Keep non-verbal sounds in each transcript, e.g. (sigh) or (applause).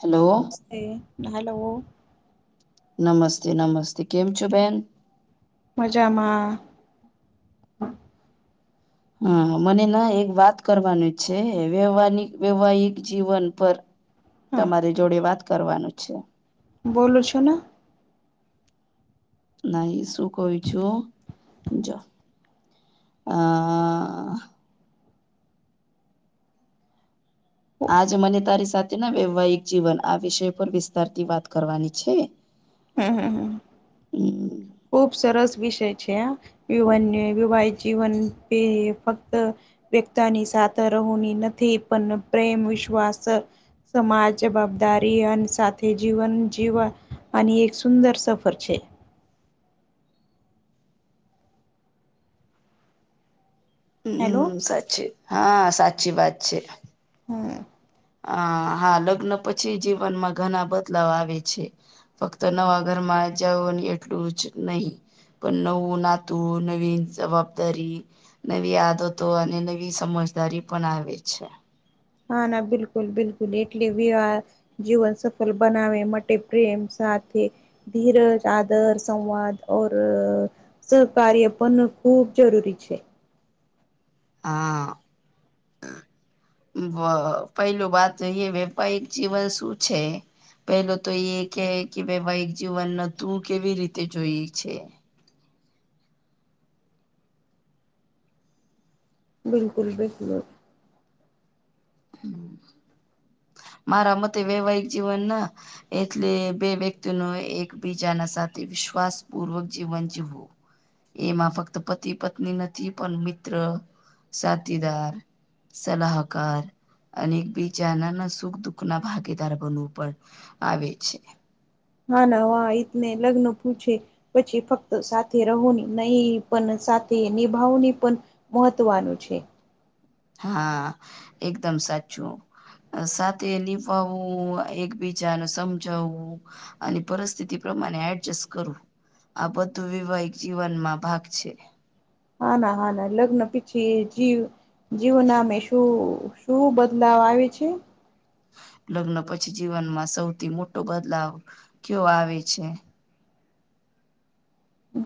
Hello નમસ્તે hello. નમસ્તે નમસ્તે કેમ છો બેન? મજામાં. હા મને ના એક વાત કરવાનું જ છે વેવાનિક વૈવાહિક જીવન પર હા તમારી જોડે વાત કરવાનું છે. બોલો છો ના નહી શું કું છું જો આ આજ મને તારી સાથે ના વૈવાહિક જીવન આ વિષય પર વિસ્તારતી વાત કરવાની છે. હમ હમ હ હમ ખુબ સરસ વિષય છે. વિવાન્ વિવાહિત જીવન પ ફક્ત વ્યક્તિની સાથે રહુની નથી પણ પ્રેમ વિશ્વાસ સમાજ જવાબદારી અને સાથે જીવન જીવવાની એક સુંદર સફર છે. હેલો હમ સાચી હા સાચી વાત છે. હમ હ હા લગ્ન પછી જીવનમાં ઘણા બદલાવ આવે છે. ફક્ત નવા ઘરમાં જવની એટલું જ નહી પણ નવું નાતું નવીન જવાબદારી નવી આદતો અને નવી સમજદારી પણ આવે છે. હા, ના બિલકુલ બિલકુલ એટલે વિવા જીવન સફળ બનાવે માટે પ્રેમ સાથે ધીરજ આદર સંવાદ (inaudible) સહકાર્ય પણ ખૂબ જરૂરી છે, હા, પેલ વાત એ વેપારિક જીવન શું છે. પેલો તો એ કે કે વૈવાહિક જીવનને તું કેવી રીતે જોઈ છે, બિલકુલ બિલકુલ મારા મતે વૈવાહિક જીવનના એટલે બે વ્યક્તિએ એકબીજાના સાથે વિશ્વાસ પૂર્વક જીવન જીવવું. એમાં ફક્ત પતિ પત્ની નથી પણ મિત્ર સાથીદાર સલાહકાર અને એક બીજા નાના સુખ દુઃખ ના ભાગીદાર બનવું પણ આવે છે. હા ના હ એને લગ્ન પૂછે? પછી ફક્ત સાથે રહોની નહી પણ સાથે નિભાવની પણ મહત્વનું છે. હા એકદમ સાચું સાથે નિભાવવું એકબીજાને સમજાવવું. અને પરિસ્થિતિ પ્રમાણે એડજસ્ટ કરવું. આ બધું વૈવાહિક જીવનમાં ભાગ છે. હા ના હા ના લગ્ન પછી જીવ જીવન નામે શું શું બદલાવ આવે છે. લગ્ન પછી જીવનમાં સૌથી મોટો બદલાવ કયો આવે છે?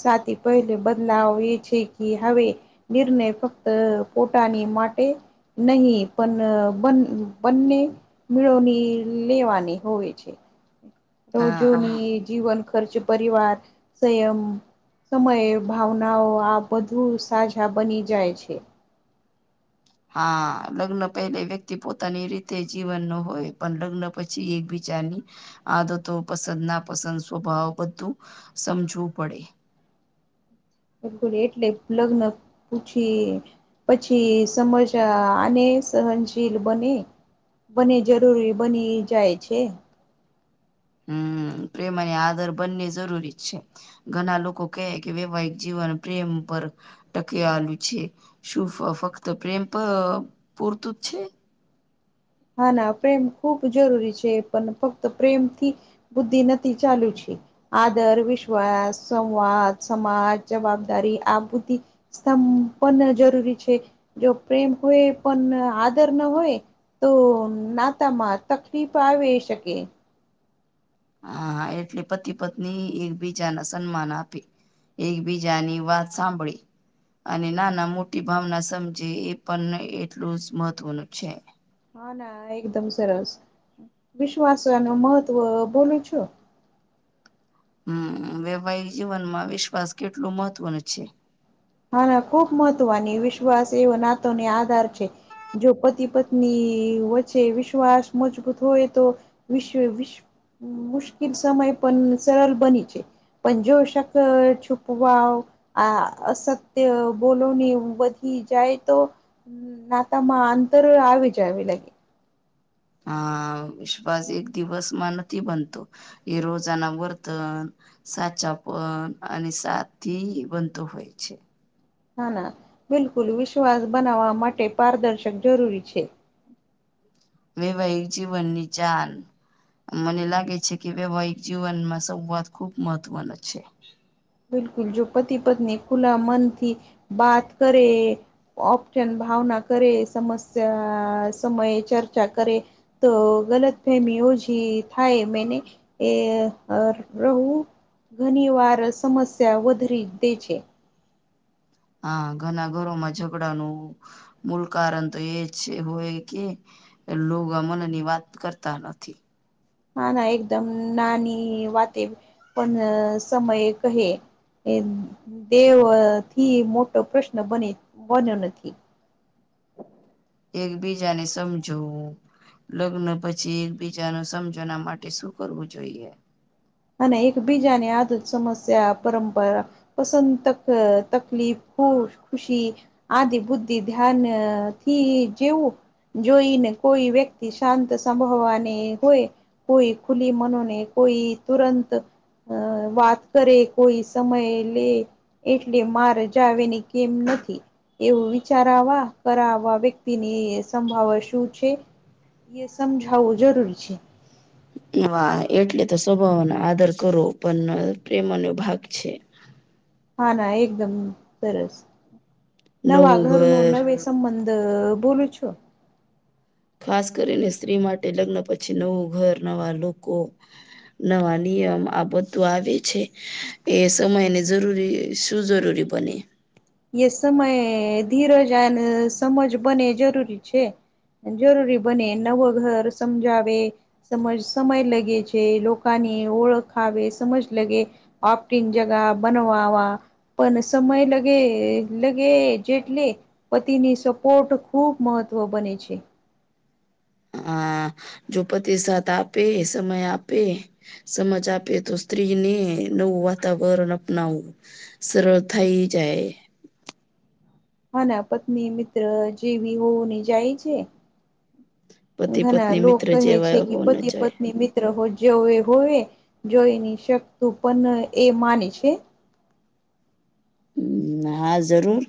સાથે (inaudible) પહેલે બદલાવ એ છે કે હવે (inaudible) નિર્ણય ફક્ત પોતાની માટે નહી પણ બન (unintelligible) બંને મેળોની લેવાની હોવે છે. હા રોજોની જીવન ખર્ચ પરિવાર, સંયમ સમયે ભાવનાઓ આ બધું સાજા બની જાય છે. હા, લગ્ન પહેલે વ્યક્તિ પોતાની રીતે જીવન ન હોય પણ લગ્ન પછી એક બીજાની આદતો પસંદ ના પસંદ સ્વભાવ બધું સમજવું પડે. બિલકુલ એટલે લગ્ન પૂછી પછી સમજ ને સહનશીલ બને બને જરૂરી બની જાય છે. હમ્મ પ્રેમ અને આદર બંને જરૂરી જ છે. ઘણા લોકો કહે કે વૈવાહિક જીવન પ્રેમ પર ટકેલું છે, શું ફક્ત પ્રેમ પણ પૂરતું જ છે? હા, ના પ્રેમ ખૂબ જરૂરી છે પણ ફક્ત પ્રેમથી બુદ્ધિ નથી ચાલુ છે. આદર, વિશ્વાસ, સંવાદ, સમાજ, જવાબદારી, આભૂતિ સંપ પણ જરૂરી છે જો પ્રેમ હોય પણ આદર ન હોય. તો નાતામાં તકલીફ આવે શકે. હા, એટલે પતિ પત્ની એકબીજાના સન્માન આપે. એકબીજાની વાત સાંભળી. અને નાના મોટી ભાવના સમજે એ પણ એટલું જ મહત્વનું છે. હા, ના એકદમ સરસ વિશ્વાસ ન મહત્વ બોલું છું. હમ્મ વૈવાહિક જીવનમાં વિશ્વાસ કેટલું મહત્વનું છે? હા, અને ખુબ મહત્વની વિશ્વાસ એવો નાતોને આધાર છે. જો પતિ પત્ની વચ્ચે વિશ્વાસ મજબૂત હોય તો, વિશ્ વિશ મુશ્કેલ સમય પણ સરળ બની છે. પંજોષક છુપવાઓ આ સત બોલોની વધી જાય તો નાતામાં આંતર આવી જાય એ લાગી. હ વિશ્વાસ એક દિવસમા નથીથ બનતો એ રોજના વર્તન સાચા પણ અને સાથી બનતો હોય છે. ના ના બિલકુલ વિશ્વાસ બનાવવા માટે પારદર્શક જરૂરી છે. વૈવાહિક જીવનની ચાલ મને લાગે છે કે વૈવાહિક જીવનમાં સંવાદ ખુબ મહત્વનો છે. બિલકુલ જો પતિ પત્ની ખુલા મનથી બાત કરે. ઓપશન ભાવના કરે સમસ્યા સમયે ચર્ચા કરે. તો ગલત ફેમી ઓછ થાય મેને. એ રહું ઘણી વાર સમસ્યા વધારી દે છે. હા ઘના ઘરોમાં ઝઘડાનું. મૂળ કારણ તો એ છે હોય કે. એ લો મનની વાત કરતા નથી. ના ના એકદમ નાની વાતે પણ સમય કહે એ દેહ થી મોટો પ્રશ્ન બને બન્યો નથી. એકબીજાને સમજવું લગ્ન પછી એકબીજા ન સમજના માટે શું કરવું જોઈએ. અને એકબીજાની આદત સમસ્યા પરંપરા. પસંદ તક તકલીફ ખુશ ખુશી આદિ બુદ્ધિ ધ્યાન થી જેવું. જોઈને કોઈ વ્યક્તિ શાંત સંભવવાની હોય. કોઈ ખુલી મનોને કોઈ તુરંત અ વાત કરે કોઈ સમય લે એટલે મા રજા આવીની કેમ નથી. એવું વિચારાવા કરવા વ્યક્તિની સંભાવ શું છે. એ સમજાવવું જરૂરી છે. વા એટલે તો સ્વભાવનો આદર કરો પણ પ્રેમનો ભાગ છે. હા ના એકદમ સરસ નવા નવું ઘરનું ઘર નવી. સંબંધ બોલું છો. ખાસ કરીને સ્ત્રી માટે લગ્ન પછી નવું ઘર નવા લોકો નવા નિયમ આ બધું આવે છે. એ સમય ને જરૂરી શું જરૂરી બને એ સમય ધીરજ અને સમજ બને જરૂરી છે. જરૂરી બને નવું ઘર સમજાવે. સમજ સમય લગે છે લોકોની ઓળખાવે સમજ લગે. ઓપ્ટિન જગા બનવાવા પણ સમય લગ લગે જેટલે પતિની સપોર્ટ ખૂબ મહત્વ બને છે. હા જો પતિ સાથે આપે સમય આપે સમજ આપે તો સ્ત્રીને નવું વાતાવરણ અપનાવવું. સરળ થઈ જાય. હા ના પત્ની મિત્ર જેવી હોવુંની જાય છે. પતિ ઘણા પત્ની મિત્ર લોકો કહે છે જેવા કે હોને પતિ જોઈએ પત્ની મિત. મિત્ર જોવે હોવે જોઈ ન શકતું પણ એ માને છે. હ હા જરૂર.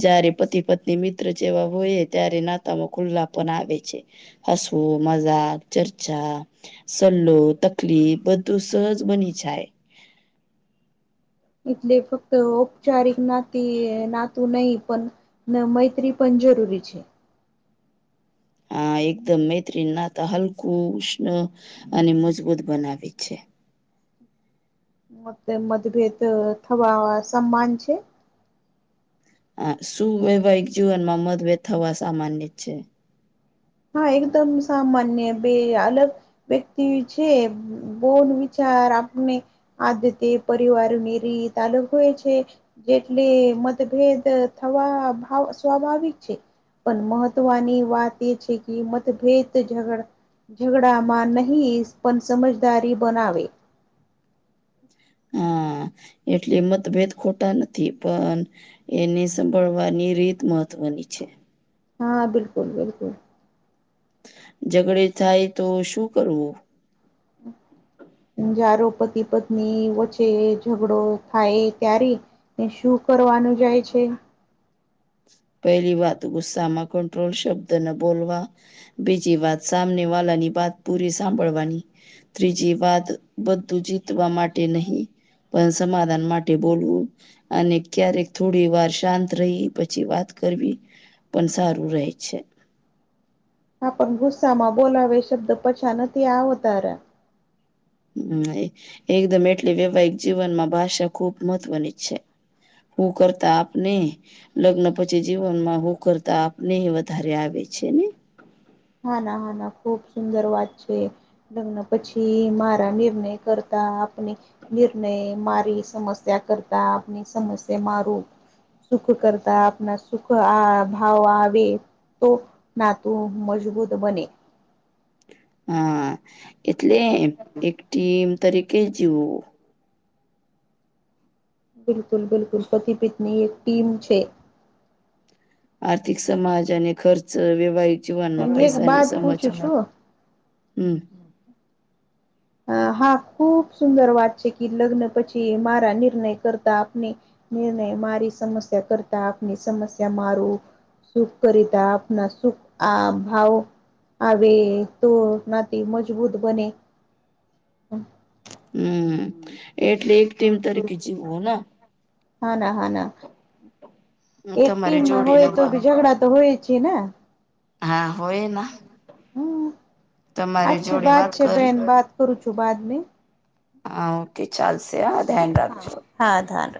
જયારે પતિ પત્ની મિત્ર જેવા હોય ત્યારે નાતામાં ખુલ્લા પણ આવે છે. હસવું મજાક ચર્ચા સલ્લો તકલીફ બધું સહજ બની જાય. એટલે ફક્ત ઔપચારિક નાતી નાતું નહીિ પણ ના મૈત્રી પણ જરૂરી છે આ એકદમ મૈત્રી નાતા હલકું ઉષ્ણ અને મજબૂત બનાવે છે મ મતભેદ થવા સમાન છે હ સુું વૈવાહિક જીવનમાં મતભેદ થવા સામાન્ય છે હા એકદમ સામાન્ય બે અલગ વ્યક્તિ છે બોન વિચાર આપને આદ તે પરિવારની રીત અલગ હોય છે જેટલે મતભેદ થવા સ્વાભાવિક છે. પણ મહત્વની વાત એ છે કે. મતભેદ ઝઘડામાં નહીિ પણ સમજદારી બનાવે હા એટલે મતભેદ ખોટા નથી પણ એને સાભળવાની રીત મહત્વની છે હા બિલકુલ બિલકુલ ઝઘડે થાય તો શું કરવું? (inaudible) જારો પતિ પત્ની વચ્ચે ઝઘડો થાય ત્યારે એ શું કરવાનું જાય છે પહેલી વાત ગુસ્સામાં કંટ્રોલ શબ્દ ન બોલવા બીજી વાત સામને વાળની વાત પૂરી સાંભળવાની ત્રીજી વાત બધું જીતવા માટે નહીિ પણ સમાધાન માટે બોલવું અને ક્યારેક થોડી વાર શાંત રહી પછી વાત કરવી પણ સારું રહેે છે. પણ ગુસ્સામાં બોલાવે શબ્દ પછાન ત આ હોતારે હ એકદમ એટલે વૈવાહિક જીવનમાં ભાષા ખુબ મહત્વની જ છે‌ કુ કરતાાપને- લગ્ન પછી જીવનમાં હું કરતા આપને વધારે આવે છે ને? હા ના હા ના ખૂબ સુંદર વાત છે લગ્ન પછી મારા નિર્ણય કરતા આપણે નિર્ણય મારી સમસ્યા કરતા આપની સમસ્યા મારું સુખ કરતા આપણા સુખ આ ભાવ આવે તો નાતું મજબૂત બને હા એટલે એક ટીમ તરીકે જવું બિલકુલ બિલકુલ પતિપીતની એક ટીમ છે. આર્થિક સમાજ અને ખર્ચ વૈવાહિક જીવનમાં એક પૈસાની બાત સમજ પૂછું છું હમ. અ હા ખુબ સુંદર વાત છે કે લગ્ન પછી મારા નિર્ણય કરતા આપણે નિર્ણય મારી સમસ્યા કરતા આપની સમસ્યા મારું સુખ કરતા આપના સુખ આ ભાવ આવે તો નાથી મજબૂત બને હમ. હમ એટલે એક ટીમ તરીકે જીવવું ને હા ના હા ના. એક તમારી ટી જોડે હોય ને તો વા- ઝઘડા તો હોય છે ને હા હોય ના હમ તમારે જોડે વાત કરી તોુચુ બાદ મે હા ઓકે ચાલશે હા ધ્યાન રાખજો હા ધ્યાન